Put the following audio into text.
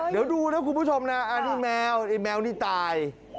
เดี๋ยวดูนะคุณผู้ชมนะอันนี้แมวไอ้แมวนี่ตาย